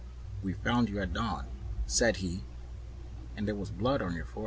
"We found you at dawn," said he, "and there was blood on your forehead and lips."